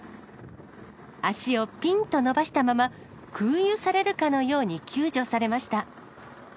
足をぴんと伸ばしたまま、空輸されるかのように救助されました。